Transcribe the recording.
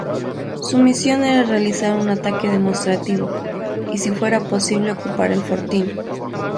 Su misión era realizar un ataque demostrativo y, si fuera posible, ocupar el fortín.